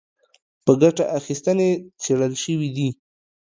په ګټه اخیستنې څېړل شوي دي